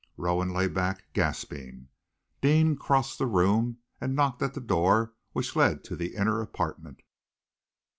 Rowan lay back, gasping. Deane crossed the room and knocked at the door which led to the inner apartment.